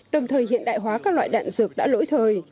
đồng thời hiện đại hóa các loại đạn dược đã lỗi thời